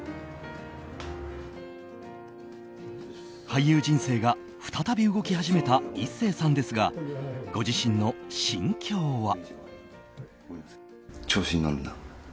俳優人生が再び動き始めた壱成さんですが、ご自身の心境は。